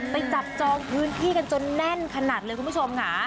จับจองพื้นที่กันจนแน่นขนาดเลยคุณผู้ชมค่ะ